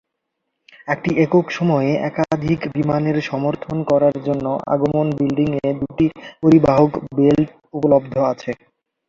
একটি একক সময়ে একাধিক বিমানের সমর্থন করার জন্য আগমন বিল্ডিংয়ে দুটি পরিবাহক বেল্ট উপলব্ধ আছে।